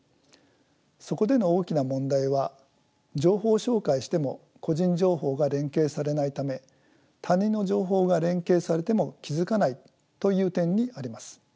そこでの大きな問題は情報照会しても個人情報が連携されないため他人の情報が連携されても気付かないという点にあります。